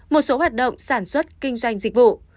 một số hoạt động sản xuất kinh doanh dịch vụ